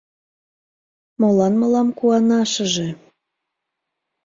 Молан мылам куанашыже?